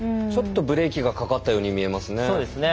ちょっとブレーキがかかったように見えますね。